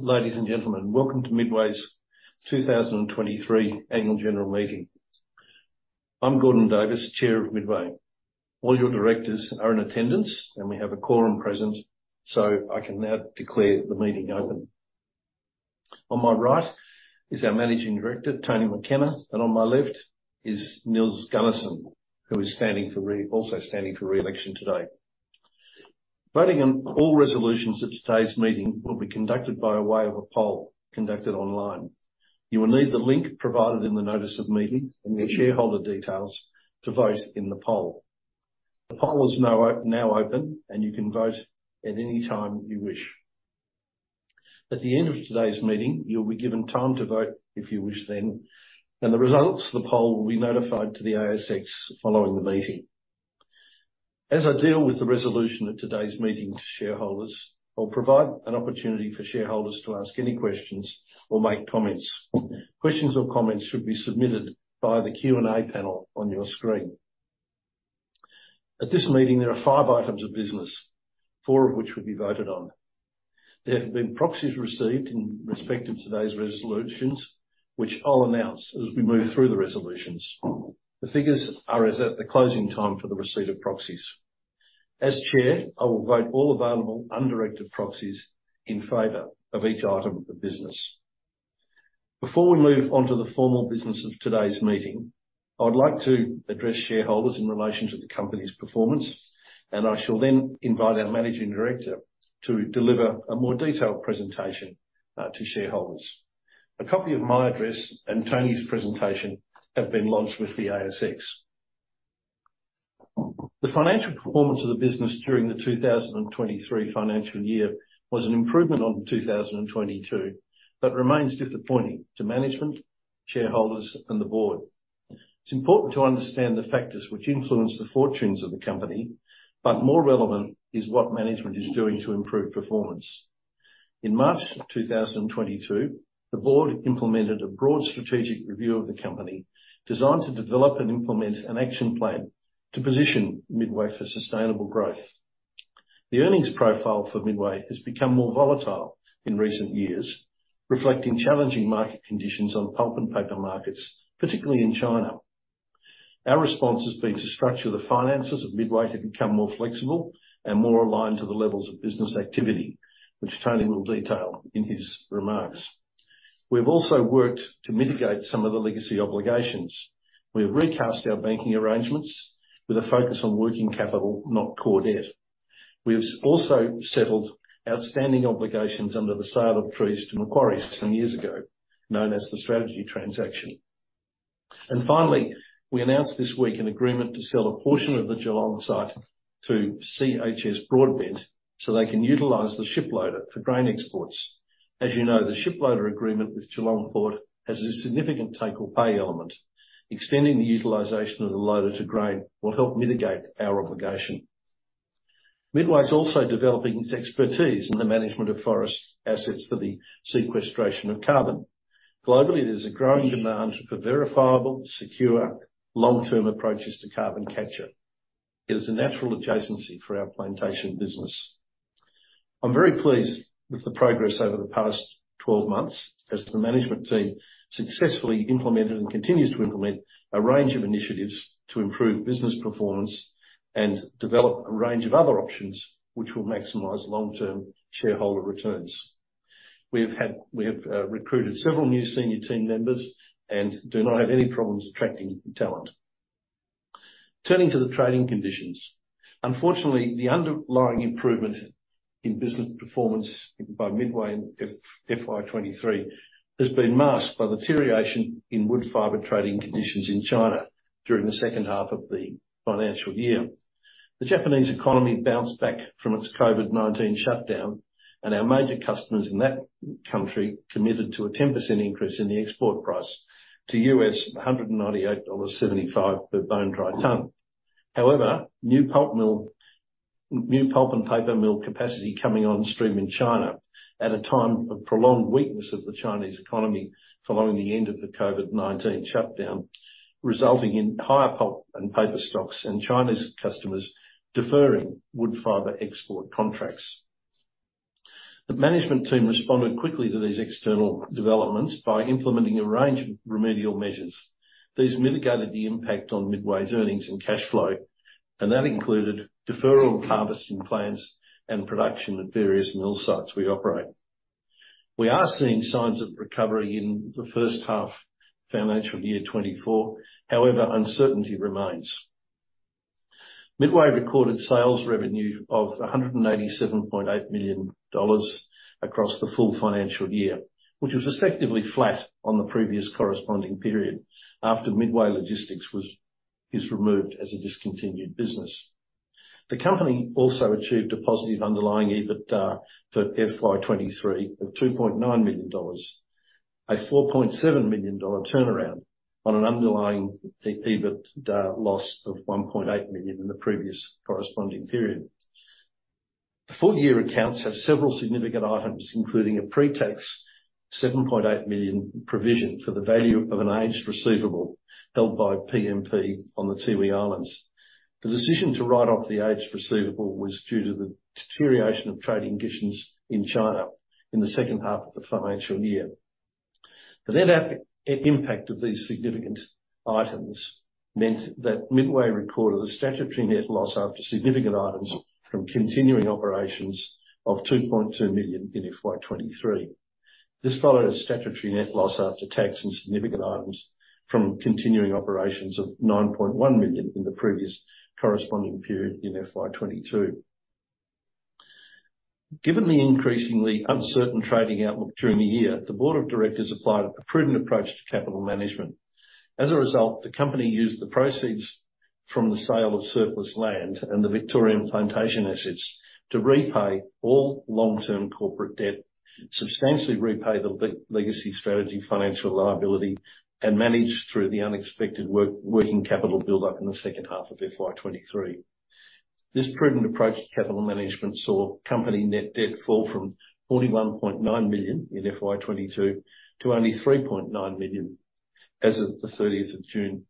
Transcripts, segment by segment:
Ladies and gentlemen, welcome to Midway's 2023 annual general meeting. I'm Gordon Davis, Chair of Midway. All your Directors are in attendance, and we have a quorum present, so I can now declare the meeting open. On my right is our Managing Director, Tony McKenna, and on my left is Nils Gunnersen, who is also standing for re-election today. Voting on all resolutions at today's meeting will be conducted by way of a poll conducted online. You will need the link provided in Notice of Meeting and your shareholder details to vote in the poll. The poll is now open, and you can vote at any time you wish. At the end of today's meeting, you'll be given time to vote if you wish then, and the results of the poll will be notified to the ASX following the meeting. As I deal with the resolutions at today's meeting to shareholders, I'll provide an opportunity for shareholders to ask any questions or make comments. Questions or comments should be submitted via the Q&A panel on your screen. At this meeting, there are five items of business, four of which will be voted on. There have been proxies received in respect of today's resolutions, which I'll announce as we move through the resolutions. The figures are as at the closing time for the receipt of proxies. As Chair, I will vote all available undirected proxies in favor of each item of the business. Before we move on to the formal business of today's meeting, I would like to address shareholders in relation to the company's performance, and I shall then invite our Managing Director to deliver a more detailed presentation to shareholders. A copy of my address and Tony's presentation have been launched with the ASX. The financial performance of the business during the 2023 financial year was an improvement on 2022, but remains disappointing to management, shareholders, and the board. It's important to understand the factors which influence the fortunes of the company, but more relevant is what management is doing to improve performance. In March 2022, the board implemented a broad strategic review of the company, designed to develop and implement an action plan to position Midway for sustainable growth. The earnings profile for Midway has become more volatile in recent years, reflecting challenging market conditions on pulp and paper markets, particularly in China. Our response has been to structure the finances of Midway to become more flexible and more aligned to the levels of business activity, which Tony will detail in his remarks. We've also worked to mitigate some of the legacy obligations. We've recast our banking arrangements with a focus on working capital, not core debt. We've also settled outstanding obligations under the sale of trees to Macquarie some years ago, known as the Strategy Transaction. And finally, we announced this week an agreement to sell a portion of the Geelong site to CHS Broadbent, so they can utilize the ship loader for grain exports. As you know, the ship loader agreement with Geelong Port has a significant take or pay element. Extending the utilization of the loader to grain will help mitigate our obligation. Midway's also developing its expertise in the management of forest assets for the sequestration of carbon. Globally, there's a growing demand for verifiable, secure, long-term approaches to carbon capture. It is a natural adjacency for our plantation business. I'm very pleased with the progress over the past 12 months, as the management team successfully implemented and continues to implement a range of initiatives to improve business performance and develop a range of other options which will maximize long-term shareholder returns. We have recruited several new senior team members and do not have any problems attracting talent. Turning to the trading conditions. Unfortunately, the underlying improvement in business performance by Midway in FY 2023 has been masked by the deterioration in wood fiber trading conditions in China during the second half of the financial year. The Japanese economy bounced back from its COVID-19 shutdown, and our major customers in that country committed to a 10% increase in the export price to $198.75 per bone-dry ton. However, new pulp mill, new pulp and paper mill capacity coming on stream in China at a time of prolonged weakness of the Chinese economy following the end of the COVID-19 shutdown, resulting in higher pulp and paper stocks and China's customers deferring wood fiber export contracts. The management team responded quickly to these external developments by implementing a range of remedial measures. These mitigated the impact on Midway's earnings and cash flow, and that included deferral of harvesting plans and production at various mill sites we operate. We are seeing signs of recovery in the first half financial year 2024. However, uncertainty remains. Midway recorded sales revenue of 187.8 million dollars across the full financial year, which was effectively flat on the previous corresponding period after Midway Logistics is removed as a discontinued business. The company also achieved a positive underlying EBITDA for FY 2023 of AUD 2.9 million, a AUD 4.7 million turnaround on an underlying EBITDA loss of AUD 1.8 million in the previous corresponding period. The full-year accounts have several significant items, including a pre-tax 7.8 million provision for the value of an aged receivable held by PMP on the Tiwi Islands. The decision to write off the aged receivable was due to the deterioration of trading conditions in China in the second half of the financial year. The net impact of these significant items meant that Midway recorded a statutory net loss after significant items from continuing operations of 2.2 million in FY 2023. This followed a statutory net loss after tax and significant items from continuing operations of 9.1 million in the previous corresponding period in FY 2022. Given the increasingly uncertain trading outlook during the year, the Board of Directors applied a prudent approach to capital management. As a result, the company used the proceeds from the sale of surplus land and the Victorian plantation assets to repay all long-term corporate debt, substantially repay the legacy Strategy financial liability, and manage through the unexpected working capital buildup in the second half of FY 2023. This prudent approach to capital management saw company net debt fall from 41.9 million in FY 2022 to only 3.9 million as of the thirtieth of June,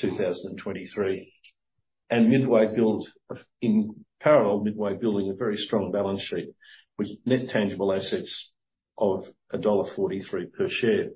2023. Midway built, in parallel, Midway building a very strong balance sheet with net tangible assets of dollar 1.43 per share.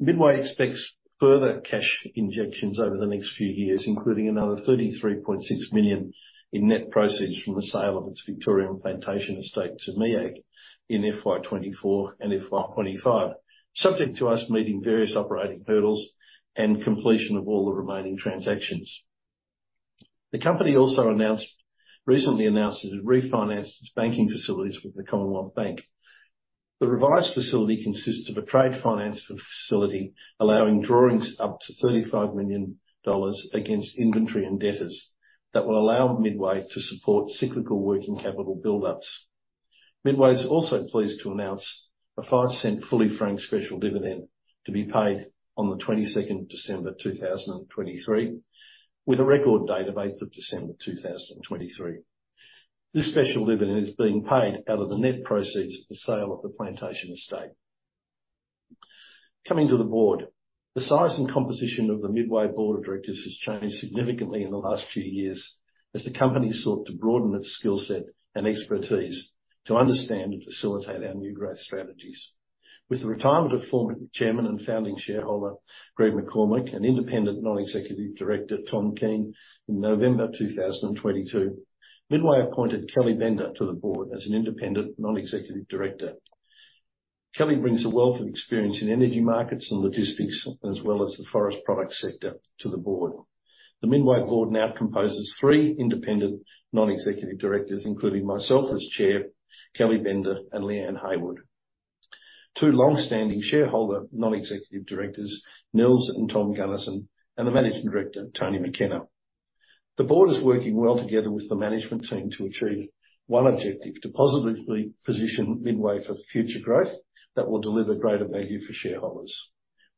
Midway expects further cash injections over the next few years, including another 33.6 million in net proceeds from the sale of its Victorian Plantation estate to MEAG in FY 2024 and FY 2025, subject to us meeting various operating hurdles and completion of all the remaining transactions. The company also recently announced that it refinanced its banking facilities with the Commonwealth Bank. The revised facility consists of a trade finance facility, allowing drawings up to 35 million dollars against inventory and debtors that will allow Midway to support cyclical working capital buildups. Midway is also pleased to announce a 0.05 fully franked special dividend to be paid on the 22nd of December, 2023, with a record date of 8th of December, 2023. This special dividend is being paid out of the net proceeds of the sale of the plantation estate. Coming to the board. The size and composition of the Midway Board of Directors has changed significantly in the last few years as the company sought to broaden its skill set and expertise to understand and facilitate our new growth strategies. With the retirement of former chairman and founding shareholder, Greg McCormack, and Independent Non-Executive Director, Tom Keane, in November 2022, Midway appointed Kelly Bender to the board as an independent Non-Executive Director. Kelly brings a wealth of experience in energy markets and logistics, as well as the Forest Product Sector to the Board. The Midway Board now composes three Independent Non-Executive Directors, including myself as Chair, Kelly Bender and Leanne Haywood. Two long-standing shareholder, Non-Executive Directors, Nils and Tom Gunnersen, and the Managing Director, Tony McKenna. The board is working well together with the management team to achieve one objective: to positively position Midway for future growth that will deliver greater value for shareholders.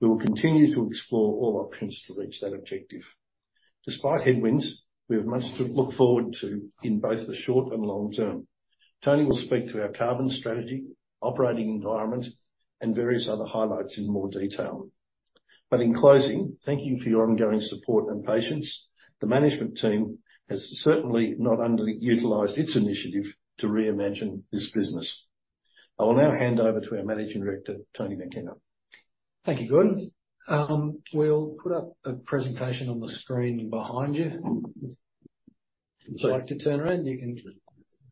We will continue to explore all options to reach that objective. Despite headwinds, we have much to look forward to in both the short and long term. Tony will speak to our carbon strategy, operating environment, and various other highlights in more detail. In closing, thank you for your ongoing support and patience. The management team has certainly not underutilized its initiative to reimagine this business. I will now hand over to our Managing Director, Tony McKenna. Thank you, Gordon. We'll put up a presentation on the screen behind you. Would you like to turn around? You can-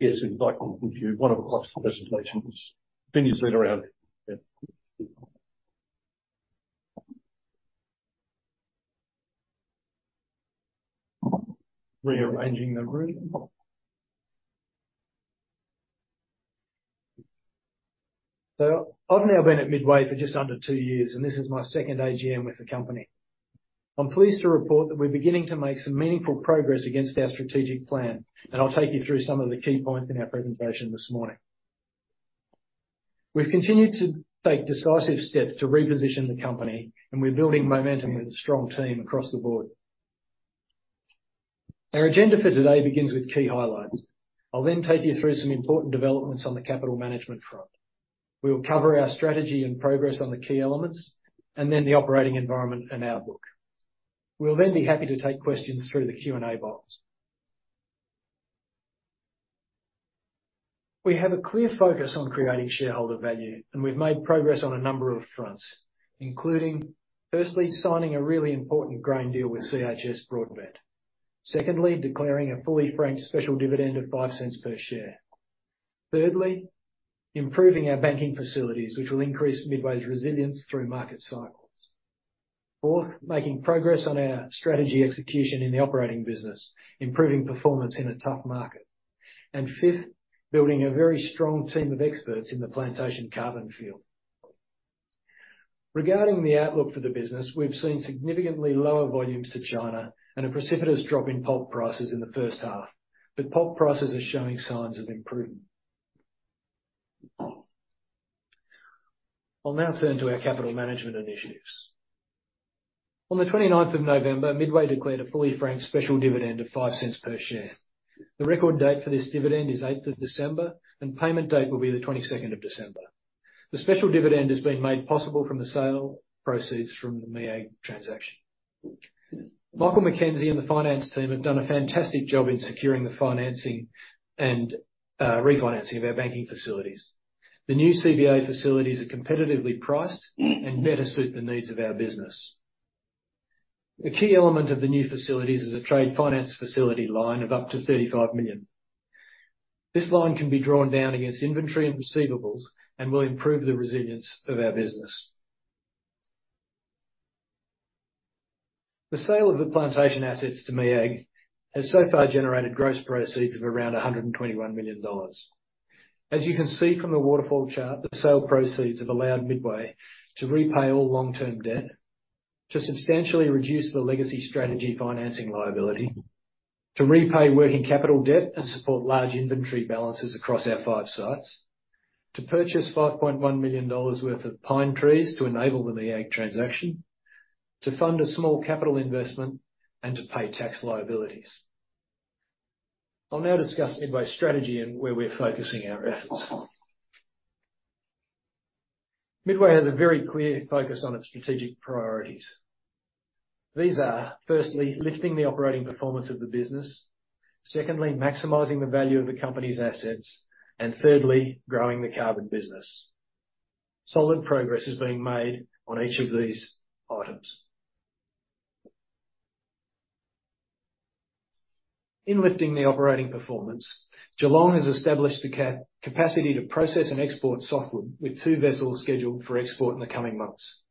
Yes, if you'd like, if you want to watch the presentations. Then you turn around. Yeah. Rearranging the room. So I've now been at Midway for just under two years, and this is my second AGM with the company. I'm pleased to report that we're beginning to make some meaningful progress against our strategic plan, and I'll take you through some of the key points in our presentation this morning. We've continued to take decisive steps to reposition the company, and we're building momentum with a strong team across the board. Our agenda for today begins with key highlights. I'll then take you through some important developments on the capital management front. We will cover our strategy and progress on the key elements and then the operating environment and outlook. We'll then be happy to take questions through the Q&A box. We have a clear focus on creating shareholder value, and we've made progress on a number of fronts, including, firstly, signing a really important grain deal with CHS Broadbent. Secondly, declaring a fully franked special dividend of 0.05 per share. Thirdly, improving our Banking facilities, which will increase Midway's resilience through market cycles. Fourth, making progress on our strategy execution in the Operating business, improving performance in a tough market. And fifth, building a very strong team of experts in the plantation carbon field. Regarding the outlook for the business, we've seen significantly lower volumes to China and a precipitous drop in pulp prices in the first half, but pulp prices are showing signs of improving. I'll now turn to our Capital Management Initiatives. On the 29th of November, Midway declared a fully franked special dividend of 0.05 per share. The record date for this dividend is 8th of December, and payment date will be the 22nd of December. The special dividend has been made possible from the sale proceeds from the MEAG transaction. Michael McKenzie and the Finance team have done a fantastic job in securing the financing and refinancing of our banking facilities. The new CBA facilities are competitively priced and better suit the needs of our business. A key element of the new facilities is a trade finance facility line of up to 35 million. This line can be drawn down against inventory and receivables and will improve the resilience of our business. The sale of the plantation assets to MEAG has so far generated gross proceeds of around 121 million dollars. As you can see from the waterfall chart, the sale proceeds have allowed Midway to repay all long-term debt, to substantially reduce the legacy Strategy financing liability, to repay working capital debt and support large inventory balances across our five sites, to purchase 5.1 million dollars worth of pine trees to enable the MEAG transaction, to fund a small capital investment, and to pay tax liabilities. I'll now discuss Midway's strategy and where we're focusing our efforts. Midway has a very clear focus on its strategic priorities. These are, firstly, lifting the operating performance of the business. Secondly, maximizing the value of the company's assets. And thirdly, growing the carbon business. Solid progress is being made on each of these items. In lifting the operating performance, Geelong has established the capacity to process and export softwood, with two vessels scheduled for export in the coming months.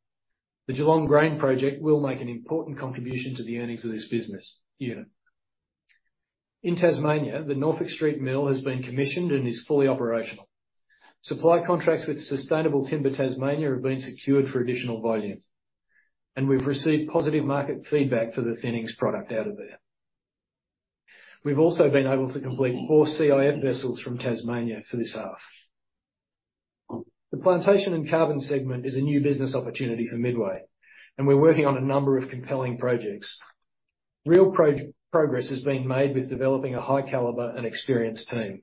The Geelong Grain project will make an important contribution to the earnings of this business unit. In Tasmania, the Norfolk Street Mill has been commissioned and is fully operational. Supply contracts with Sustainable Timber Tasmania have been secured for additional volume, and we've received positive market feedback for the thinnings product out of there. We've also been able to complete four CIF vessels from Tasmania for this half. The plantation and carbon segment is a new business opportunity for Midway, and we're working on a number of compelling projects. Real progress is being made with developing a high caliber and experienced team.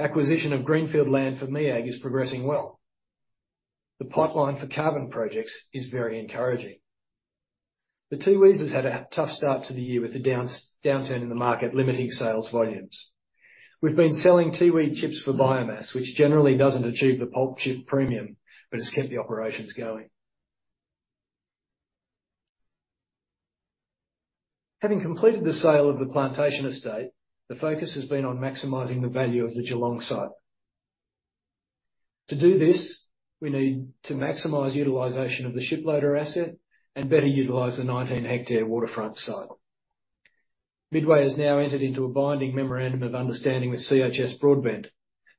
Acquisition of greenfield land for MEAG is progressing well. The pipeline for carbon projects is very encouraging. The Tiwi's has had a tough start to the year, with the downturn in the market limiting sales volumes. We've been selling Tiwi chips for biomass, which generally doesn't achieve the pulp chip premium, but it's kept the operations going. Having completed the sale of the plantation estate, the focus has been on maximizing the value of the Geelong site. To do this, we need to maximize utilization of the ship loader asset and better utilize the 19-hectare waterfront site. Midway has now entered into a binding memorandum of understanding with CHS Broadbent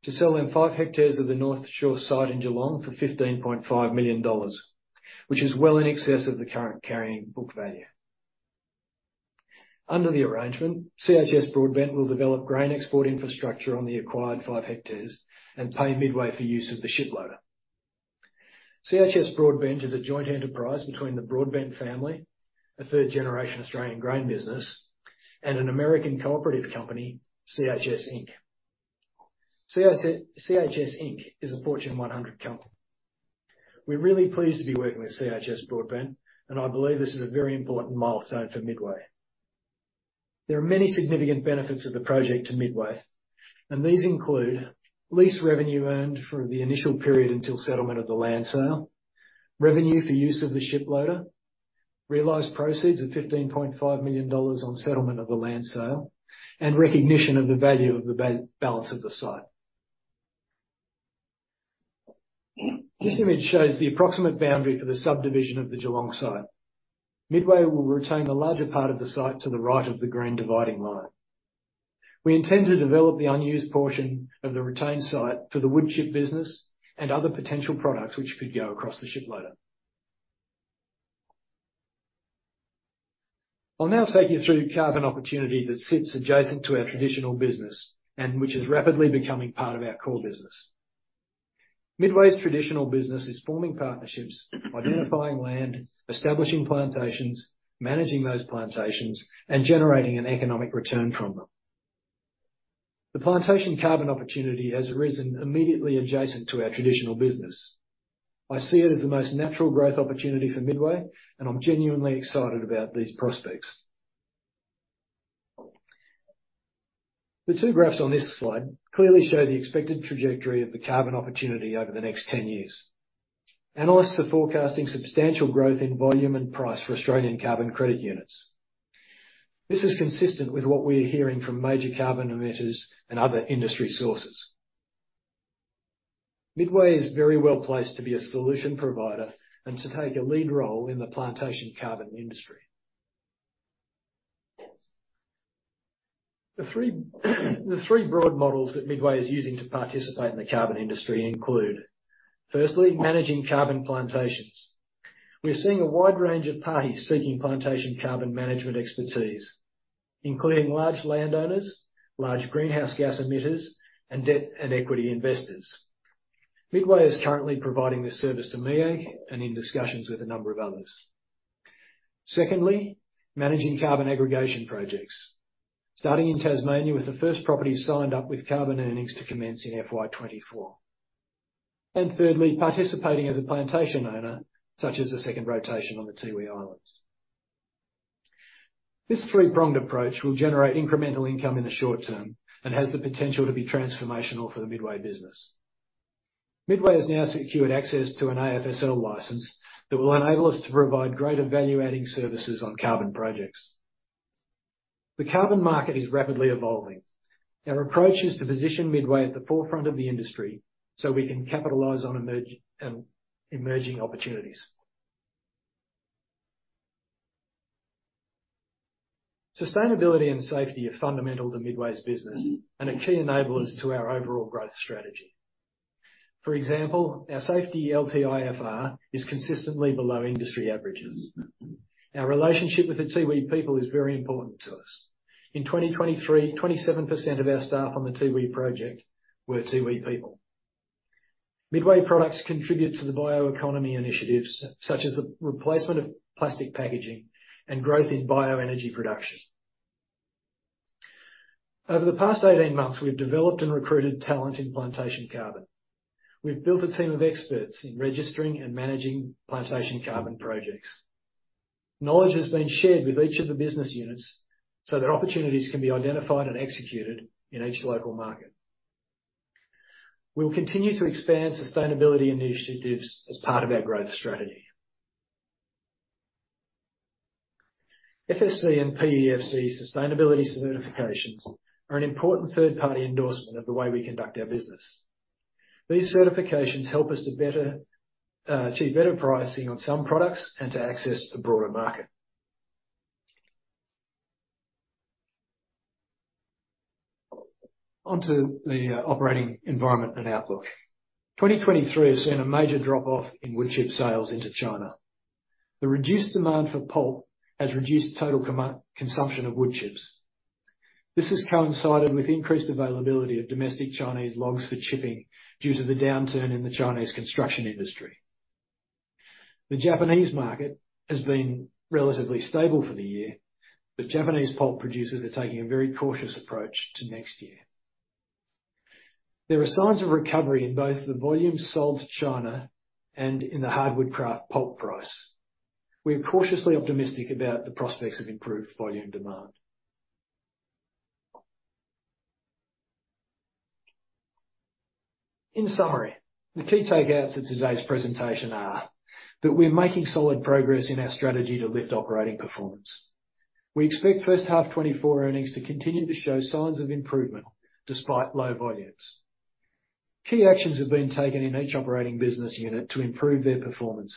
to sell them five hectares of the North Shore site in Geelong for 15.5 million dollars, which is well in excess of the current carrying book value. Under the arrangement, CHS Broadbent will develop grain export infrastructure on the acquired five hectares and pay Midway for use of the ship loader. CHS Broadbent is a joint enterprise between the Broadbent family, a third-generation Australian grain business, and an American cooperative company, CHS Inc. CHS, CHS Inc. is a Fortune 100 company. We're really pleased to be working with CHS Broadbent, and I believe this is a very important milestone for Midway. There are many significant benefits of the project to Midway, and these include lease revenue earned for the initial period until settlement of the land sale, revenue for use of the ship loader, realized proceeds of 15.5 million dollars on settlement of the land sale, and recognition of the value of the balance of the site. This image shows the approximate boundary for the subdivision of the Geelong site. Midway will retain the larger part of the site to the right of the green dividing line. We intend to develop the unused portion of the retained site for the wood chip business and other potential products which could go across the ship loader. I'll now take you through the carbon opportunity that sits adjacent to our traditional business and which is rapidly becoming part of our core business. Midway's traditional business is forming partnerships, identifying land, establishing plantations, managing those plantations, and generating an economic return from them. The plantation carbon opportunity has arisen immediately adjacent to our traditional business. I see it as the most natural growth opportunity for Midway, and I'm genuinely excited about these prospects. The two graphs on this slide clearly show the expected trajectory of the carbon opportunity over the next 10 years. Analysts are forecasting substantial growth in volume and price for Australian carbon credit units. This is consistent with what we are hearing from major carbon emitters and other industry sources. Midway is very well placed to be a solution provider and to take a lead role in the plantation carbon industry. The three broad models that Midway is using to participate in the carbon industry include, firstly, managing carbon plantations. We're seeing a wide range of parties seeking plantation carbon management expertise, including large landowners, large greenhouse gas emitters, and debt and equity Investors. Midway is currently providing this service to MEAG and in discussions with a number of others. Secondly, managing carbon aggregation projects, starting in Tasmania, with the first property signed up with carbon earnings to commence in FY 2024. And thirdly, participating as a plantation owner, such as the second rotation on the Tiwi Islands. This three-pronged approach will generate incremental income in the short term and has the potential to be transformational for the Midway business. Midway has now secured access to an AFSL license that will enable us to provide greater value-adding services on carbon projects. The carbon market is rapidly evolving. Our approach is to position Midway at the forefront of the industry, so we can capitalize on emerging opportunities. Sustainability and safety are fundamental to Midway's business and are key enablers to our overall growth strategy. For example, our safety LTIFR is consistently below industry averages. Our relationship with the Tiwi people is very important to us. In 2023, 27% of our staff on the Tiwi project were Tiwi people. Midway products contribute to the bioeconomy initiatives, such as the replacement of plastic packaging and growth in bioenergy production. Over the past 18 months, we've developed and recruited talent in plantation carbon. We've built a team of experts in registering and managing plantation carbon projects. Knowledge has been shared with each of the business units, so that opportunities can be identified and executed in each local market. We will continue to expand sustainability initiatives as part of our growth strategy. FSC and PEFC sustainability certifications are an important third-party endorsement of the way we conduct our business. These certifications help us to better achieve better pricing on some products and to access a broader market. Onto the operating environment and outlook. 2023 has seen a major drop-off in wood chip sales into China. The reduced demand for pulp has reduced total consumption of wood chips. This has coincided with increased availability of domestic Chinese logs for chipping due to the downturn in the Chinese construction industry. The Japanese market has been relatively stable for the year, but Japanese pulp producers are taking a very cautious approach to next year. There are signs of recovery in both the volume sold to China and in the hardwood kraft pulp price. We are cautiously optimistic about the prospects of improved volume demand. In summary, the key takeaways of today's presentation are: that we're making solid progress in our strategy to lift operating performance. We expect first half 2024 earnings to continue to show signs of improvement despite low volumes. Key actions have been taken in each operating business unit to improve their performance,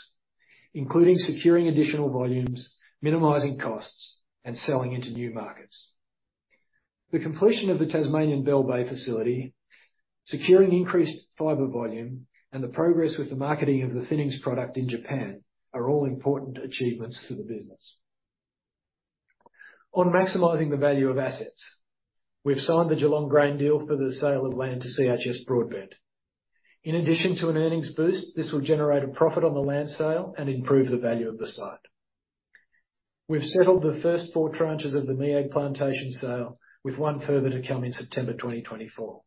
including securing additional volumes, minimizing costs, and selling into new markets. The completion of the Tasmanian Bell Bay facility, securing increased fiber volume, and the progress with the marketing of the thinnings product in Japan, are all important achievements for the business. On maximizing the value of assets, we've signed the Geelong Grain deal for the sale of land to CHS Broadbent. In addition to an earnings boost, this will generate a profit on the land sale and improve the value of the site. We've settled the first four tranches of the MEAG plantation sale, with one further to come in September 2024.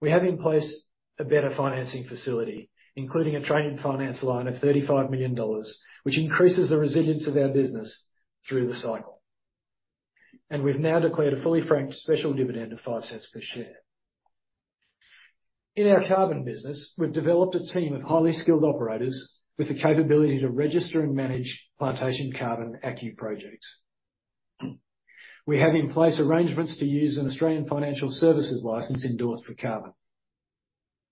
We have in place a better financing facility, including a trade and finance line of 35 million dollars, which increases the resilience of our business through the cycle. We've now declared a fully franked special dividend of 0.05 per share. In our carbon business, we've developed a team of highly skilled operators with the capability to register and manage plantation carbon ACCU projects. We have in place arrangements to use an Australian financial services license endorsed for carbon.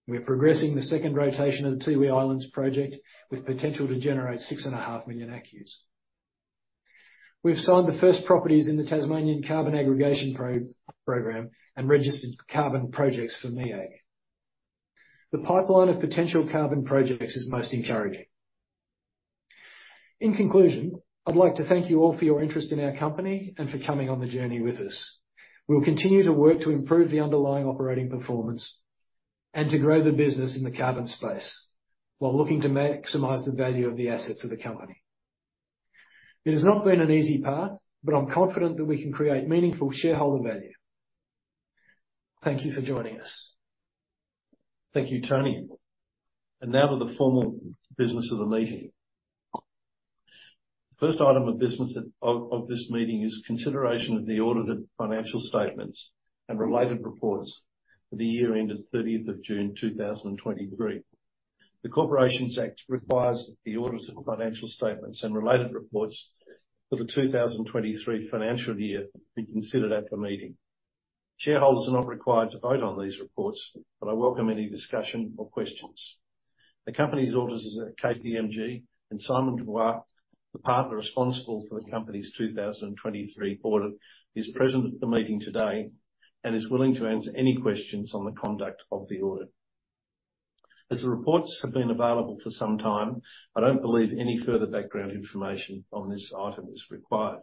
We're progressing the second rotation of the Tiwi Islands project, with potential to generate 6.5 million ACCUs. We've signed the first properties in the Tasmanian Carbon Aggregation program and registered carbon projects for MEAG. The pipeline of potential carbon projects is most encouraging. In conclusion, I'd like to thank you all for your interest in our company and for coming on the journey with us. We'll continue to work to improve the underlying operating performance and to grow the business in the carbon space, while looking to maximize the value of the assets of the company. It has not been an easy path, but I'm confident that we can create meaningful shareholder value. Thank you for joining us. Thank you, Tony. And now to the formal business of the meeting. The first item of business of this meeting is consideration of the audited financial statements and related reports for the year ended 30th of June 2023. The Corporations Act requires the audited financial statements and related reports for the 2023 financial year be considered at the meeting. shareholders are not required to vote on these reports, but I welcome any discussion or questions. The company's auditors is KPMG and Simon Dubois, the partner responsible for the company's 2023 audit, is present at the meeting today and is willing to answer any questions on the conduct of the audit. As the reports have been available for some time, I don't believe any further background information on this item is required.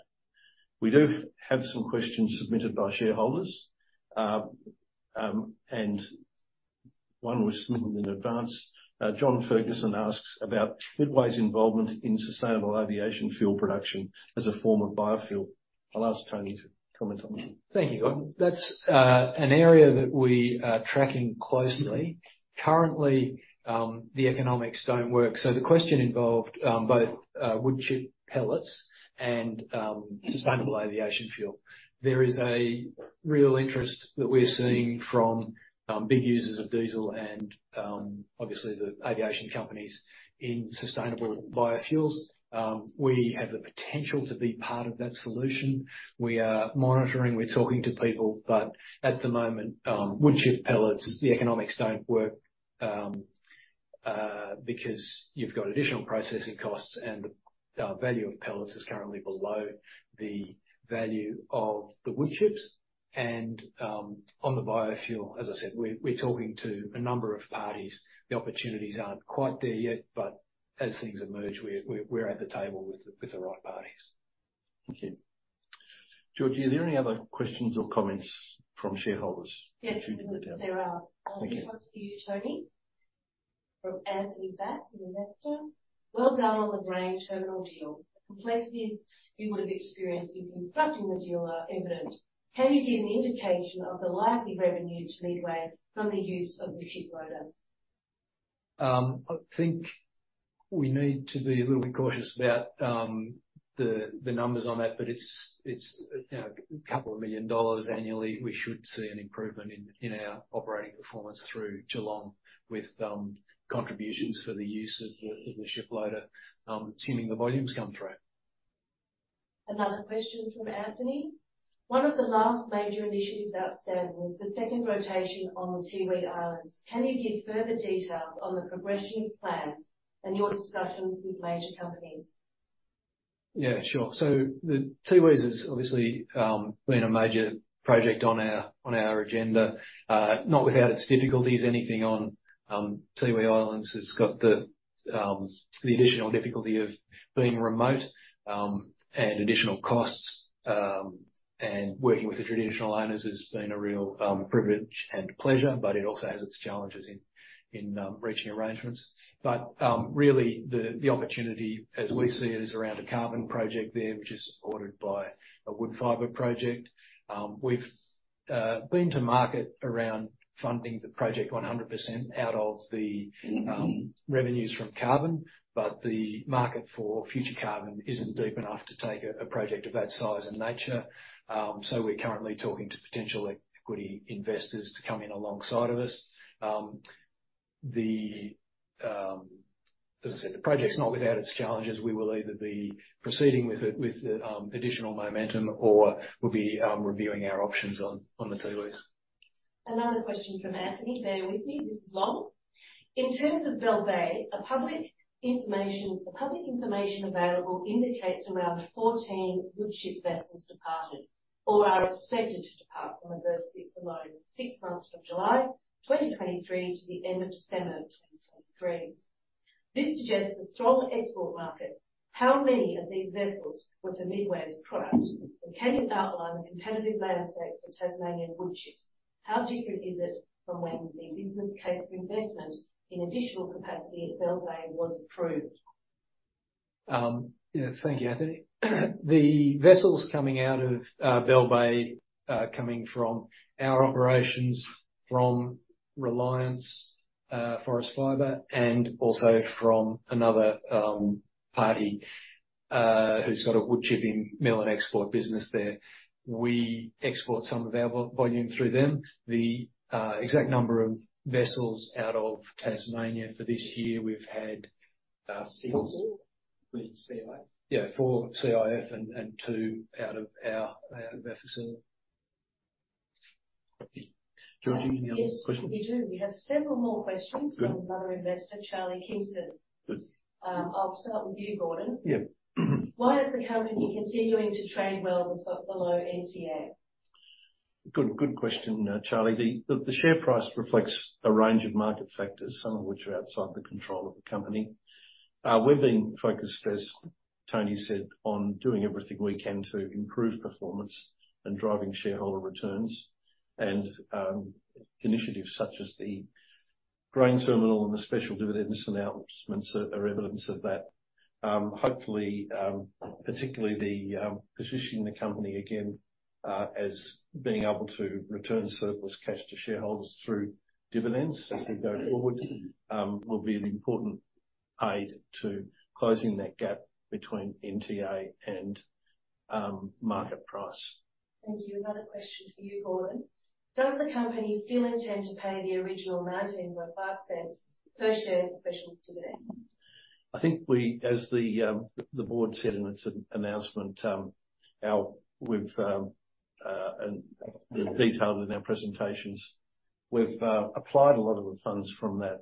We do have some questions submitted by shareholders, and one was submitted in advance. John Ferguson asks about Midway's involvement in sustainable aviation fuel production as a form of biofuel. I'll ask Tony to comment on that. Thank you. That's an area that we are tracking closely. Currently, the economics don't work. So the question involved both wood chip pellets and sustainable aviation fuel. There is a real interest that we're seeing from big users of diesel and obviously, the aviation companies in sustainable biofuels. We have the potential to be part of that solution. We are monitoring, we're talking to people, but at the moment, wood chip pellets, the economics don't work. Because you've got additional processing costs, and the value of pellets is currently below the value of the wood chips. And on the biofuel, as I said, we're at the table with the right parties. Thank you. George, are there any other questions or comments from shareholders? Yes, there are. Thank you. This one's for you, Tony, from Anthony Bass, an Investor. Well done on the grain terminal deal. The complexities you would have experienced in constructing the deal are evident. Can you give an indication of the likely revenue to Midway from the use of the ship loader? I think we need to be a little bit cautious about the numbers on that, but it's, you know, a couple of million dollars annually. We should see an improvement in our operating performance through Geelong, with contributions for the use of the ship loader seeming the volumes come through. Another question from Anthony: One of the last major initiatives outstanding was the second rotation on the Tiwi Islands. Can you give further details on the progression plans and your discussions with major companies? Yeah, sure. So the Tiwi Islands has obviously been a major project on our, on our agenda. Not without its difficulties. Anything on Tiwi Islands has got the additional difficulty of being remote and additional costs. And working with the traditional owners has been a real privilege and pleasure, but it also has its challenges in reaching arrangements. But really, the opportunity, as we see it, is around a carbon project there, which is supported by a wood fiber project. We've been to market around funding the project 100% out of the revenues from carbon, but the market for future carbon isn't deep enough to take a project of that size and nature. So we're currently talking to potential equity Investors to come in alongside of us. As I said, the project's not without its challenges. We will either be proceeding with it, with the additional momentum, or we'll be reviewing our options on the Tiwi Islands. Another question from Anthony. Bear with me, this is long. In terms of Bell Bay, the public information available indicates around 14 woodchip vessels departed, or are expected to depart from the berth six alone, 6 months from July 2023 to the end of December 2023. This suggests a strong export market. How many of these vessels were for Midway's product? And can you outline the competitive landscape for Tasmanian wood chips? How different is it from when the business case for investment in additional capacity at Bell Bay was approved? Yeah. Thank you, Anthony. The vessels coming out of Bell Bay, coming from our operations, from Reliance Forest Fibre, and also from another party who's got a wood chipping mill and export business there. We export some of our volume through them. The exact number of vessels out of Tasmania for this year, we've had six. CIF? Yeah, four CIF and two out of our facility. George, any other question? Yes, we do. We have several more questions- Good. -from another Investor, Charlie Kingston. Good. I'll start with you, Gordon. Yeah. Why is the company continuing to trade well below NTA? Good, good question, Charlie. The share price reflects a range of market factors, some of which are outside the control of the company. We're being focused, as Tony said, on doing everything we can to improve performance and driving shareholder returns. And initiatives such as the grain terminal and the special dividends announcements are evidence of that. Hopefully, particularly the positioning the company again as being able to return surplus cash to shareholders through dividends as we go forward, will be an important aid to closing that gap between NTA and market price. Thank you. Another question for you, Gordon. Does the company still intend to pay the original 0.195 per share special dividend? I think we, as the board said in its announcement and detailed in our presentations, we've applied a lot of the funds from that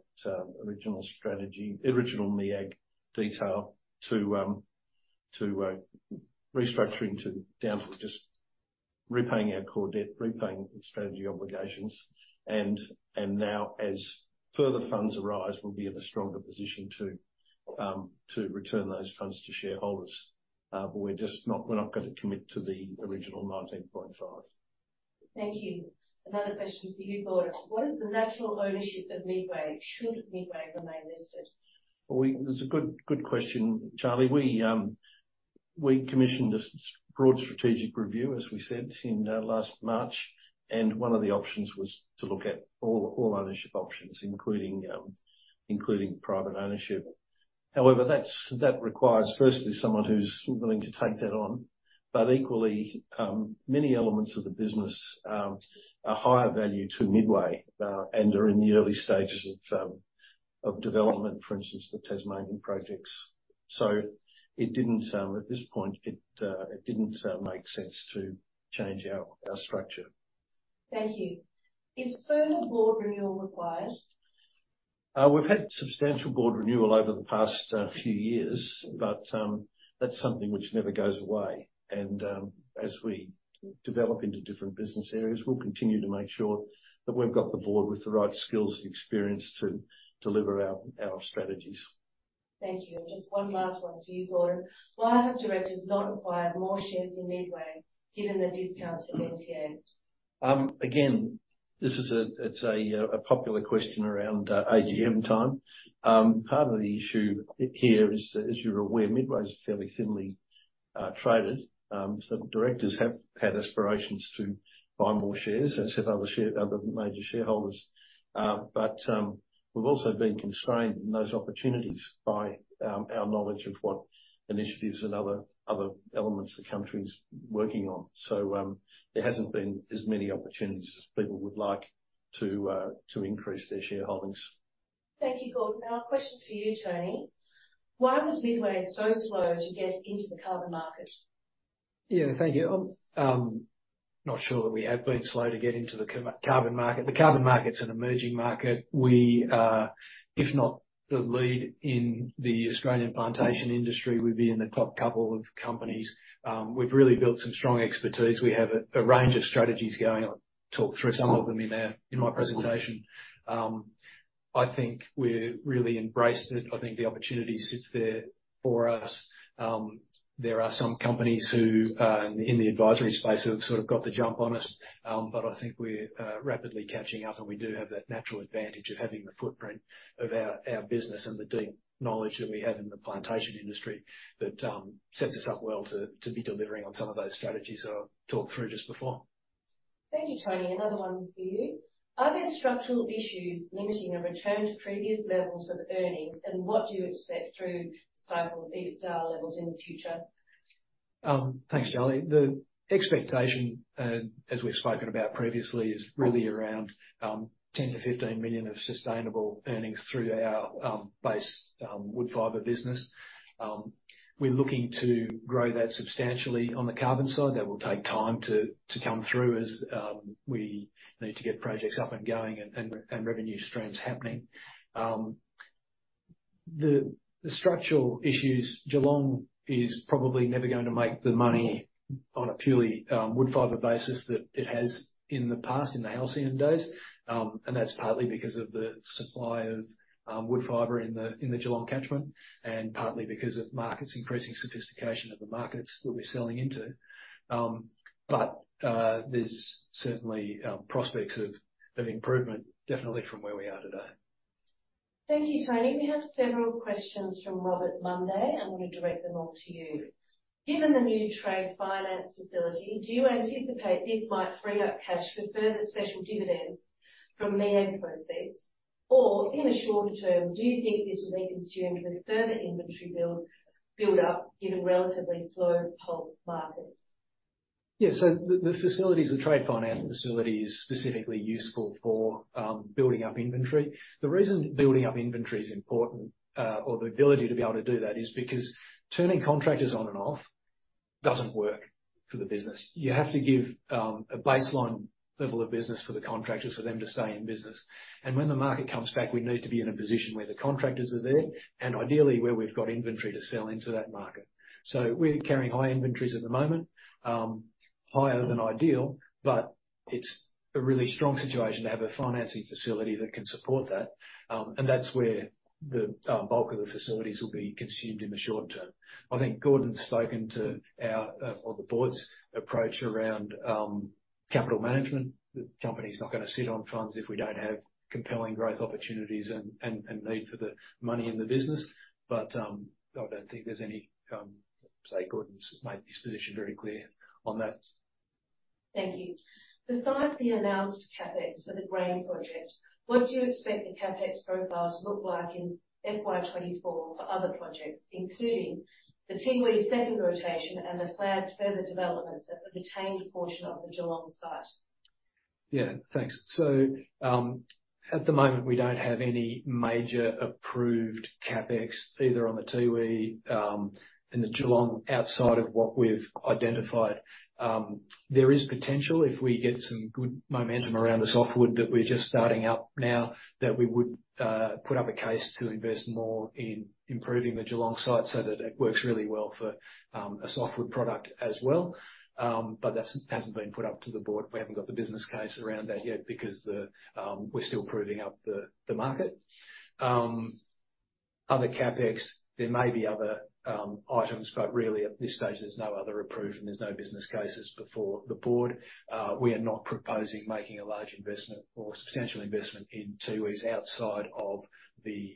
original strategy, original MEAG detail to restructuring down to just repaying our core debt, repaying strategy obligations. And now as further funds arise, we'll be in a stronger position to return those funds to shareholders. But we're just not, we're not going to commit to the original 0.195. Thank you. Another question for you, Gordon. What is the natural ownership of Midway, should Midway remain listed? Well, that's a good, good question, Charlie. We commissioned a broad strategic review, as we said, in last March, and one of the options was to look at all ownership options, including private ownership. However, that requires, firstly, someone who's willing to take that on. But equally, many elements of the business are higher value to Midway and are in the early stages of development, for instance, the Tasmanian projects. So it didn't, at this point, make sense to change our structure. Thank you. Is further board renewal required? We've had substantial board renewal over the past few years, but that's something which never goes away. As we develop into different business areas, we'll continue to make sure that we've got the board with the right skills and experience to deliver our strategies. Thank you. And just one last one for you, Gordon. Why have Directors not acquired more shares in Midway, given the discounts at NTA? Again, this is a popular question around AGM time. Part of the issue here is, as you're aware, Midway is fairly thinly traded. So Directors have had aspirations to buy more shares, as have other major shareholders. But we've also been constrained in those opportunities by our knowledge of what initiatives and other elements the company's working on. So there hasn't been as many opportunities as people would like to increase their shareholdings. Thank you, Gordon. Now, a question for you, Tony. Why was Midway so slow to get into the carbon market? Yeah, thank you. I'm not sure that we have been slow to get into the carbon market. The carbon market's an emerging market. We are, if not the lead in the Australian plantation industry, we'd be in the top couple of companies. We've really built some strong expertise. We have a range of strategies going on. Talked through some of them in my presentation. I think we're really embraced it. I think the opportunity sits there for us. There are some companies who in the advisory space have sort of got the jump on us. But I think we're rapidly catching up, and we do have that natural advantage of having the footprint of our business and the deep knowledge that we have in the plantation industry that sets us up well to be delivering on some of those strategies that I've talked through just before. Thank you, Tony. Another one for you. Are there structural issues limiting a return to previous levels of earnings, and what do you expect through cycle EBITDA levels in the future? Thanks, Charlie. The expectation, as we've spoken about previously, is really around 10 million-15 million of sustainable earnings through our base wood fiber business. We're looking to grow that substantially on the carbon side. That will take time to come through as we need to get projects up and going and revenue streams happening. The structural issues, Geelong is probably never going to make the money on a purely wood fiber basis that it has in the past, in the halcyon days. And that's partly because of the supply of wood fiber in the Geelong catchment, and partly because of markets, increasing sophistication of the markets that we're selling into. But there's certainly prospects of improvement, definitely from where we are today. Thank you, Tony. We have several questions from Robert Munday. I'm going to direct them all to you. Given the new trade finance facility, do you anticipate this might free up cash for further special dividends from the end proceeds? Or in the shorter term, do you think this will be consumed with further inventory build, build up in a relatively slow pulp market? Yeah. So the facilities, the trade finance facility is specifically useful for building up inventory. The reason building up inventory is important, or the ability to be able to do that, is because turning contractors on and off doesn't work for the business. You have to give a baseline level of business for the contractors for them to stay in business. And when the market comes back, we need to be in a position where the contractors are there and ideally where we've got inventory to sell into that market. So we're carrying high inventories at the moment, higher than ideal, but it's a really strong situation to have a financing facility that can support that. And that's where the bulk of the facilities will be consumed in the short term. I think Gordon's spoken to our or the board's approach around capital management. The company's not going to sit on funds if we don't have compelling growth opportunities and need for the money in the business. But I don't think there's any... Gordon's made his position very clear on that. Thank you. Besides the announced CapEx for the Grain project, what do you expect the CapEx profiles to look like in FY 2024 for other projects, including the Tiwi second rotation and the planned further developments at the retained portion of the Geelong site?... Yeah, thanks. So, at the moment, we don't have any major approved CapEx either on the Tiwi, in the Geelong, outside of what we've identified. There is potential, if we get some good momentum around the softwood that we're just starting up now, that we would put up a case to invest more in improving the Geelong site so that it works really well for a softwood product as well. But that's hasn't been put up to the board. We haven't got the business case around that yet because we're still proving up the market. Other CapEx, there may be other items, but really, at this stage, there's no other approved, and there's no business cases before the board. We are not proposing making a large investment or substantial investment in Tiwi's outside of the,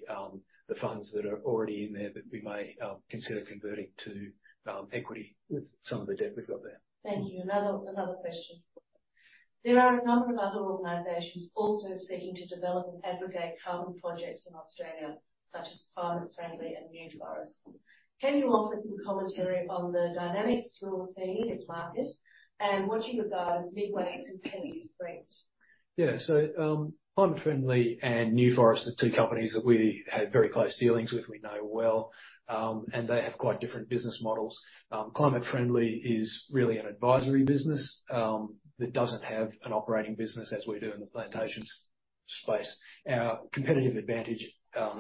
the funds that are already in there that we may consider converting to equity with some of the debt we've got there. Thank you. Another, another question. There are a number of other organizations also seeking to develop and aggregate carbon projects in Australia, such as Climate Friendly and New Forests. Can you offer some commentary on the dynamics rules in this market and what you regard as Midway's competitive strength? Yeah. So, Climate Friendly and New Forests are two companies that we have very close dealings with, we know well, and they have quite different business models. Climate Friendly is really an advisory business, that doesn't have an operating business as we do in the plantations space. Our competitive advantage,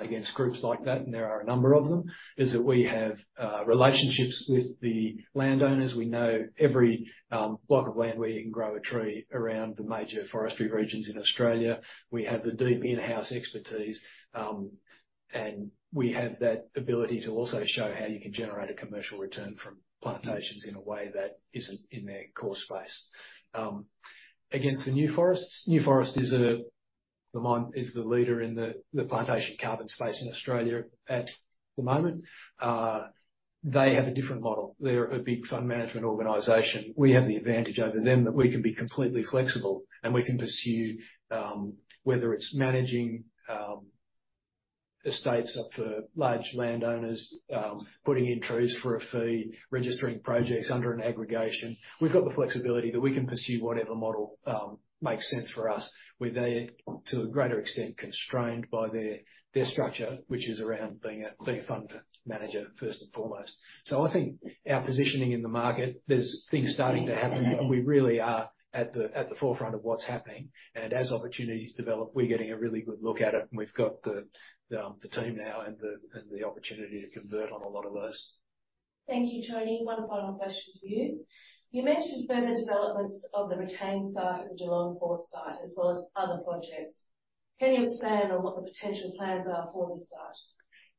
against groups like that, and there are a number of them, is that we have, relationships with the landowners. We know every, block of land where you can grow a tree around the major forestry regions in Australia. We have the deep in-house expertise, and we have that ability to also show how you can generate a commercial return from plantations in a way that isn't in their core space. against the New Forests. New Forests is the leader in the plantation carbon space in Australia at the moment. They have a different model. They're a big fund management organization. We have the advantage over them that we can be completely flexible, and we can pursue whether it's managing estates up for large landowners, putting in trees for a fee, registering projects under an aggregation. We've got the flexibility that we can pursue whatever model makes sense for us, where they, to a greater extent, constrained by their structure, which is around being a fund manager, first and foremost. So I think our positioning in the market, there's things starting to happen, and we really are at the forefront of what's happening. And as opportunities develop, we're getting a really good look at it, and we've got the team now and the opportunity to convert on a lot of those. Thank you, Tony. One final question for you. You mentioned further developments of the retained site at the Geelong Port site, as well as other projects. Can you expand on what the potential plans are for this site?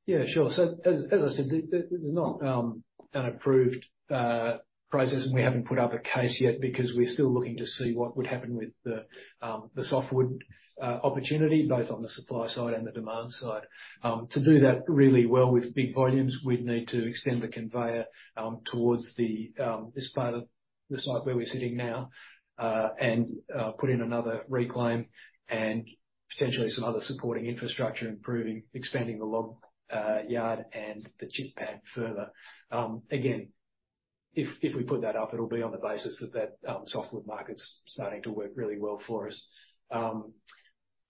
Yeah, sure. So as I said, there's not an approved process, and we haven't put up a case yet because we're still looking to see what would happen with the softwood opportunity, both on the supply side and the demand side. To do that really well with big volumes, we'd need to extend the conveyor towards this part of the site where we're sitting now, and put in another reclaim and potentially some other supporting infrastructure, improving, expanding the log yard and the chip pad further. Again, if we put that up, it'll be on the basis that softwood market's starting to work really well for us.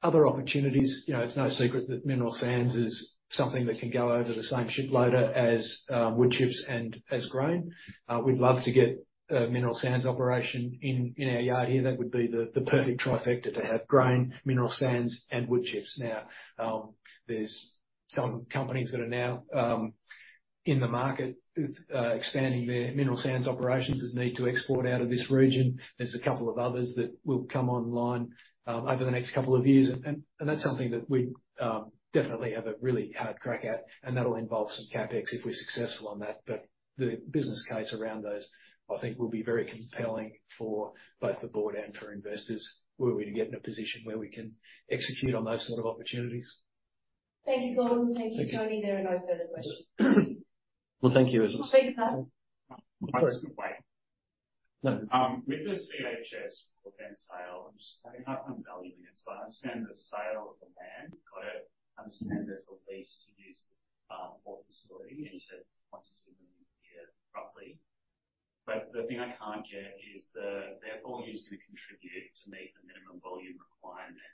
Other opportunities, you know, it's no secret that mineral sands is something that can go over the same ship loader as wood chips and as grain. We'd love to get a mineral sands operation in our yard here. That would be the perfect trifecta to have grain, mineral sands, and wood chips. Now, there's some companies that are now in the market expanding their mineral sands operations that need to export out of this region. There's a couple of others that will come online over the next couple of years. And that's something that we definitely have a really hard crack at, and that'll involve some CapEx if we're successful on that. But the business case around those, I think, will be very compelling for both the board and for Investors, were we to get in a position where we can execute on those sort of opportunities. Thank you, Colin. Thank you, Tony. There are no further questions. Well, thank you. I beg your pardon? Sorry. With the CHS Broadbent sale, I'm just having a hard time valuing it. So I understand the sale of the land. Got it. I understand there's a lease to use port facility, and you said once a year, roughly. But the thing I can't get is the, they're all used to contribute to meet the minimum volume requirement.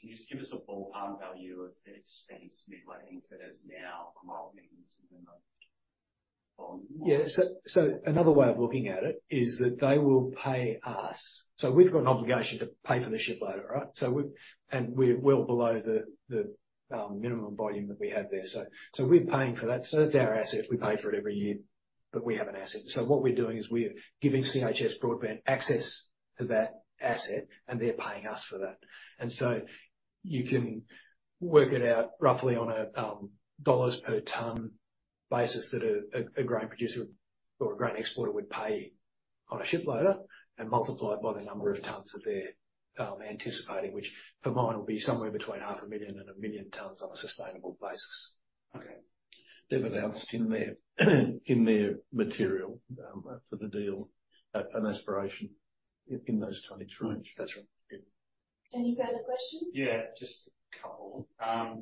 Can you just give us a ballpark value of the expense Midway Limited has now involved in this minimum volume? Yeah. So another way of looking at it is that they will pay us. So we've got an obligation to pay for the ship loader, right? So we're well below the minimum volume that we have there. So we're paying for that. So that's our asset. We pay for it every year, but we have an asset. So what we're doing is we're giving CHS Broadbent access to that asset, and they're paying us for that. And so you can work it out roughly on a dollars per ton basis that a grain producer or a grain exporter would pay on a ship loader and multiply it by the number of tons that they're anticipating, which, in my mind, will be somewhere between 500,000 and 1,000,000 tons on a sustainable basis. Okay. They've announced in their material for the deal an aspiration in those tonnage range. That's right. Yeah.... Any further questions? Yeah, just a couple. I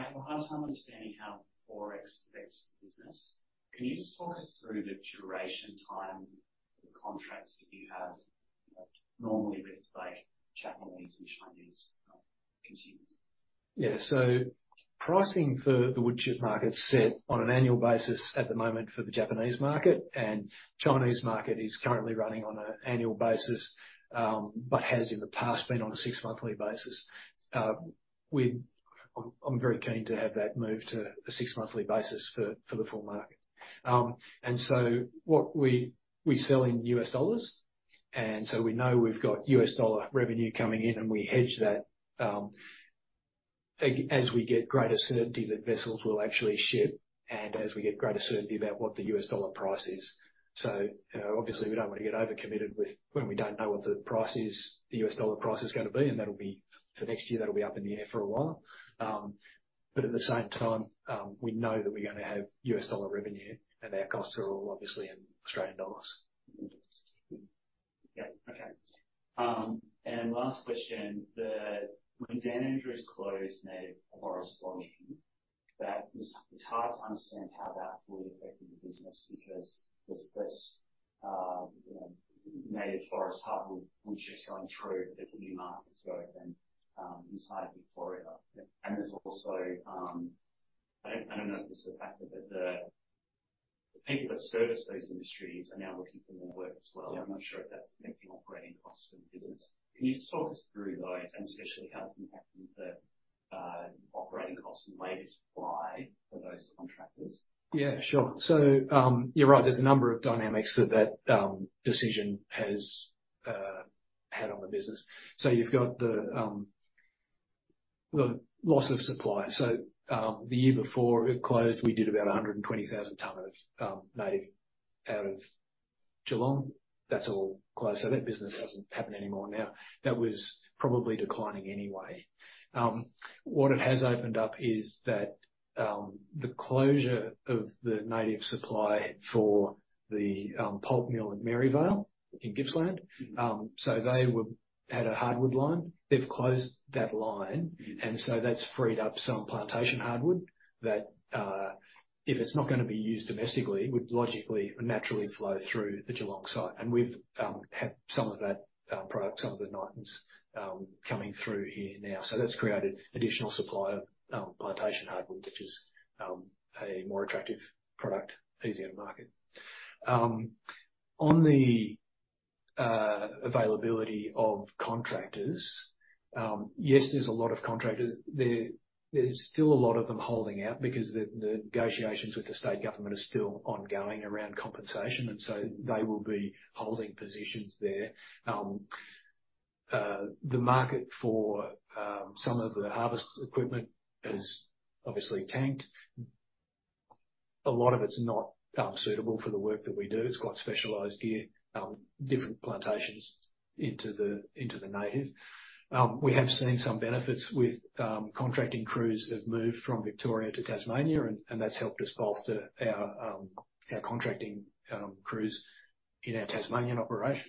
have a hard time understanding how Forex affects the business. Can you just talk us through the duration time, the contracts that you have, normally with like Japanese and Chinese consumers? Yeah. So pricing for the wood chip market is set on an annual basis at the moment for the Japanese market, and Chinese market is currently running on an annual basis, but has in the past been on a six-monthly basis. I'm, I'm very keen to have that moved to a six-monthly basis for, for the full market. And so what we, we sell in U.S. dollars, and so we know we've got U.S. dollar revenue coming in, and we hedge that, as we get greater certainty that vessels will actually ship, and as we get greater certainty about what the U.S. dollar price is. So obviously, we don't want to get overcommitted with when we don't know what the price is, the U.S. dollar price is going to be, and that'll be, for next year, that'll be up in the air for a while. But at the same time, we know that we're going to have U.S. dollar revenue, and our costs are all obviously in Australian dollars. Yeah. Okay. and last question, when Dan Andrews closed native forest logging, that was- it's hard to understand how that fully affected the business, because there's less, you know, native forest hardwood wood chips going through the new markets opened inside Victoria. And there's also, I don't, I don't know if this is a factor, but the people that service those industries are now looking for more work as well. Yeah. I'm not sure if that's affecting operating costs for the business. Can you just talk us through those, and especially how it's impacting the operating costs and labor supply for those contractors? Yeah, sure. So, you're right, there's a number of dynamics that the decision has had on the business. So you've got the loss of supply. So, the year before it closed, we did about 120,000 tons native out of Geelong. That's all closed, so that business doesn't happen anymore now. That was probably declining anyway. What it has opened up is that the closure of the native supply for the pulp mill in Maryvale, in Gippsland. So they had a hardwood line. They've closed that line, and so that's freed up some plantation hardwood that, if it's not going to be used domestically, would logically and naturally flow through the Geelong site. And we've had some of that product, some of the natives, coming through here now. So that's created additional supply of plantation hardwood, which is a more attractive product, easier to market. On the availability of contractors, yes, there's a lot of contractors. There's still a lot of them holding out because the negotiations with the state government are still ongoing around compensation, and so they will be holding positions there. The market for some of the harvest equipment has obviously tanked. A lot of it's not suitable for the work that we do. It's quite specialized gear, different plantations into the native. We have seen some benefits with contracting crews that have moved from Victoria to Tasmania, and that's helped us bolster our contracting crews in our Tasmanian operations.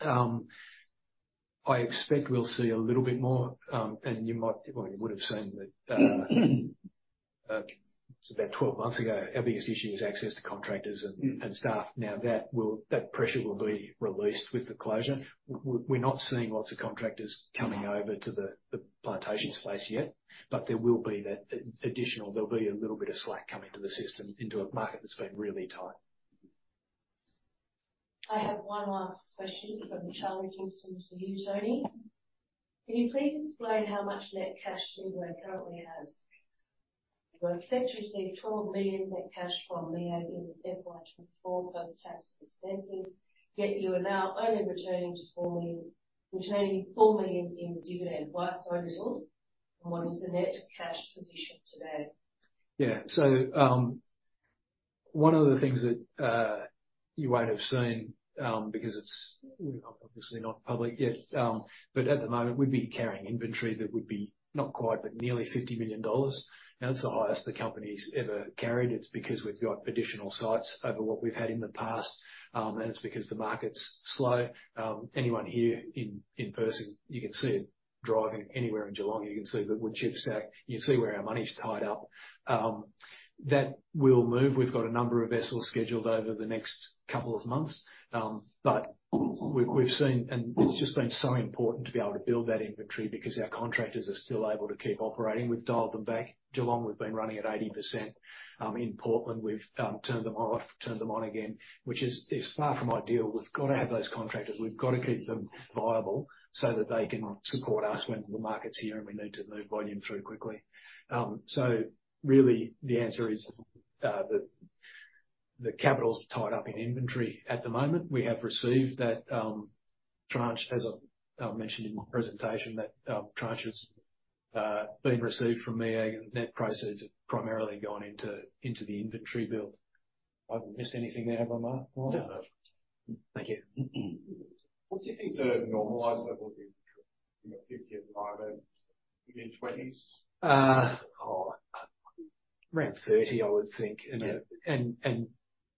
I expect we'll see a little bit more, and you might, or you would have seen that, so about 12 months ago, our biggest issue was access to contractors and staff. Now, that pressure will be released with the closure. We're not seeing lots of contractors coming over to the plantation space yet, but there will be that additional there'll be a little bit of slack coming to the system, into a market that's been really tight. I have one last question from Charlie Kingston for you, Tony. Can you please explain how much net cash Midway currently has? You were set to receive AUD 12 million net cash from MEAG in FY 2024, plus tax expenses, yet you are now only returning to 4 million-- returning 4 million in dividend. Why so little? And what is the net cash position today? Yeah. So, one of the things that, you won't have seen, because it's, you know, obviously not public yet, but at the moment, we'd be carrying inventory that would be not quite, but nearly 50 million dollars. Now, that's the highest the company's ever carried. It's because we've got additional sites over what we've had in the past, and it's because the market's slow. Anyone here in person, you can see it driving anywhere in Geelong. You can see the wood chip stack, you can see where our money's tied up. That will move. We've got a number of vessels scheduled over the next couple of months. But we've seen, and it's just been so important to be able to build that inventory because our contractors are still able to keep operating. We've dialed them back. Geelong, we've been running at 80%. In Portland, we've turned them off, turned them on again, which is far from ideal. We've got to have those contractors. We've got to keep them viable so that they can support us when the market's here, and we need to move volume through quickly. So really, the answer is that the capital's tied up in inventory. At the moment, we have received that tranche, as I've mentioned in my presentation, that tranche has been received from MEAG, and net proceeds have primarily gone into the inventory build. I've missed anything there by Mike? No. Thank you. What do you think the normalized level would be, 50 or 5, mid-20s? Uh, oh, um- Around 30, I would think. And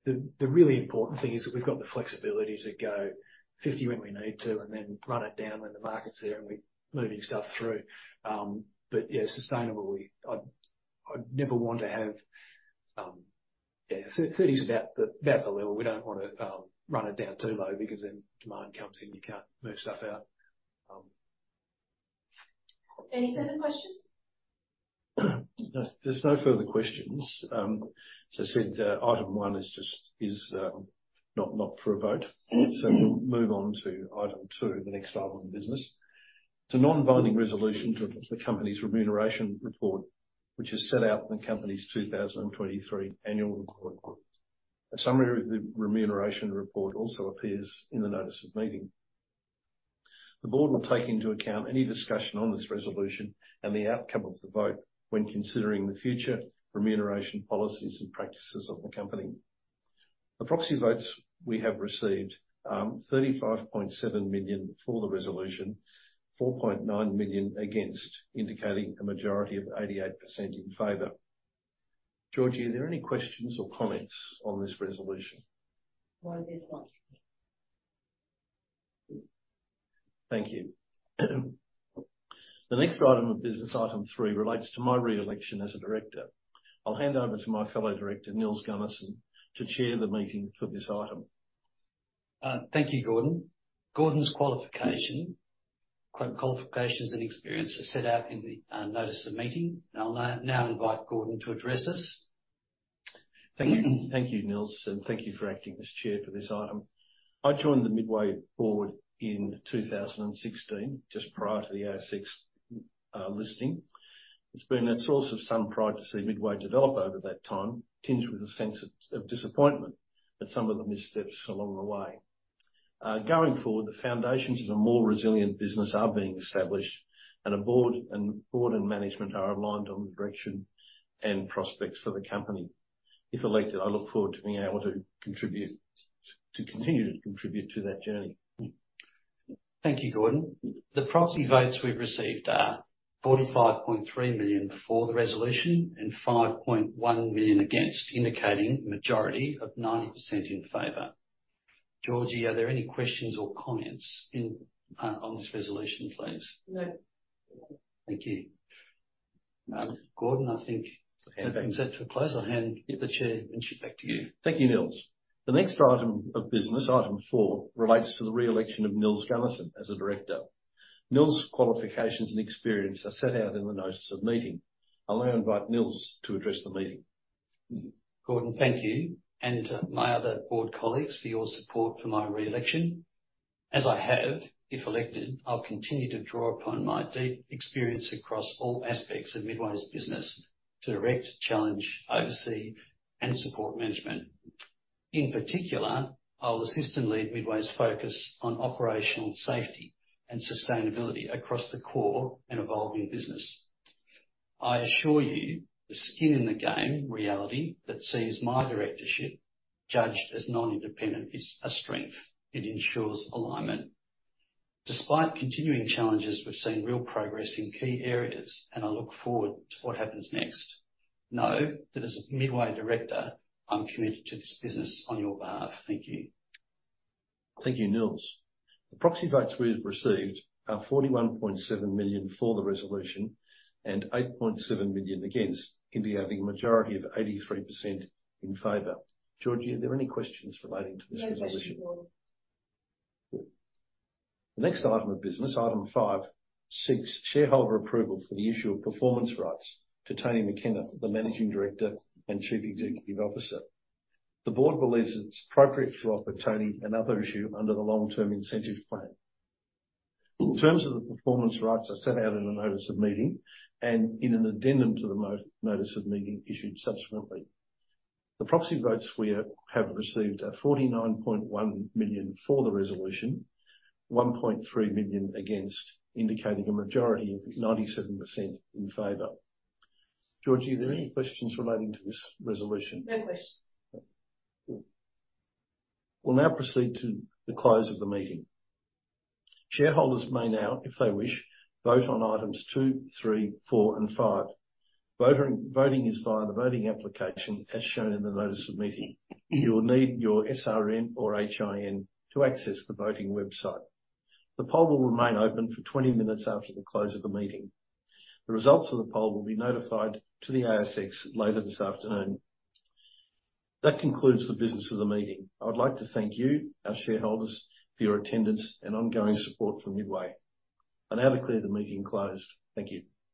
the really important thing is that we've got the flexibility to go 50 when we need to, and then run it down when the market's there, and we're moving stuff through. But yeah, sustainably, I'd never want to have... Yeah, 30 is about the level. We don't want to run it down too low because then demand comes in, you can't move stuff out. Any further questions? There's no further questions. So since item one is just not for a vote. Mm-hmm. So we'll move on to item two, the next item of business. It's a non-binding resolution to the company's Remuneration Report, which is set out in the company's 2023 Annual Report. A summary of the Remuneration Report also appears in Notice of Meeting. the board will take into account any discussion on this resolution and the outcome of the vote when considering the future Remuneration, policies, and practices of the company. The proxy votes we have received, 35.7 million for the resolution, 4.9 million against, indicating a majority of 88% in favor. Georgie, are there any questions or comments on this resolution? No, there's not. Thank you. The next item of business, item three, relates to my re-election as a Director. I'll hand over to my fellow Director, Nils Gunnersen, to chair the meeting for this item. Thank you, Gordon. Gordon's qualification, quote, "qualifications and experience," are set out in Notice of Meeting. i'll now invite Gordon to address us. Thank you. Thank you, Nils, and thank you for acting as chair for this item. I joined the Midway Board in 2016, just prior to the ASX listing. It's been a source of some pride to see Midway develop over that time, tinged with a sense of disappointment at some of the missteps along the way. Going forward, the foundations of a more resilient business are being established, and a board and management are aligned on the direction and prospects for the company. If elected, I look forward to being able to contribute, to continue to contribute to that journey. Thank you, Gordon. The proxy votes we've received are 45.3 million for the resolution and 5.1 million against, indicating a majority of 90% in favor. Georgie, are there any questions or comments in, on this resolution, please? No. Thank you. Gordon, I think that brings us to a close. I'll hand the chairmanship back to you. Thank you, Nils. The next item of business, item four, relates to the re-election of Nils Gunnersen as a Director. Nils' qualifications and experience are set out in Notice of Meeting. i'll now invite Nils to address the meeting. Gordon, thank you, and my other Board Colleagues, for your support for my re-election. As I have, if elected, I'll continue to draw upon my deep experience across all aspects of Midway's business to direct, challenge, oversee, and support management. In particular, I'll assist and lead Midway's focus on operational safety and sustainability across the core and evolving business. I assure you, the skin in the game reality that sees my Directorship judged as non-independent is a strength. It ensures alignment. Despite continuing challenges, we've seen real progress in key areas, and I look forward to what happens next. Know that as a Midway Director, I'm committed to this business on your behalf. Thank you. Thank you, Nils. The proxy votes we've received are 41.7 million for the resolution and 8.7 million against, indicating a majority of 83% in favor. Georgie, are there any questions relating to this resolution? No questions, Gordon. The next item of business, item five, seeks shareholder approval for the issue of performance rights to Tony McKenna, the Managing Director and Chief Executive Officer. The board believes it's appropriate to offer Tony another issue under the Long Term Incentive Plan. The terms of the performance rights are set out in Notice of Meeting, and in an addendum to Notice of Meeting issued subsequently. The proxy votes we have received are 49.1 million for the resolution, 1.3 million against, indicating a majority of 97% in favor. Georgie, are there any questions relating to this resolution? No questions. Good. We'll now proceed to the close of the meeting. shareholders may now, if they wish, vote on items two, three, four, and five. Voting is via the voting application, as shown in Notice of Meeting. you will need your SRN or HIN to access the voting website. The poll will remain open for 20 minutes after the close of the meeting. The results of the poll will be notified to the ASX later this afternoon. That concludes the business of the meeting. I would like to thank you, our shareholders, for your attendance and ongoing support for Midway. I now declare the meeting closed. Thank you.